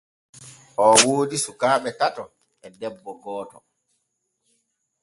Oo woodi sukaaɓe tato e debbo gooto.